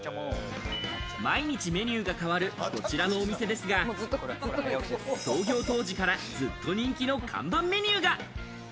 毎日メニューが変わるこちらのお店ですが、創業当時からずっと人気の看板メニューが。